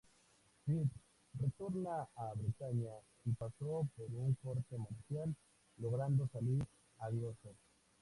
Phipps retornó a Bretaña y pasó por una corte marcial, logrando salir airoso.